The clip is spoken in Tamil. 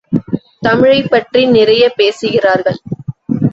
தமிழைப்பற்றி நிறையப் பேசுகிறார்கள்.